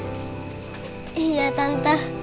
tante gak akan kasih kapten untuk om polisi